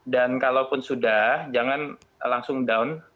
dan kalaupun sudah jangan langsung down